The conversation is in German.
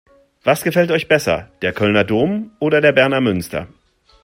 Was gefällt euch besser: Der Kölner Dom oder der Berner Münster?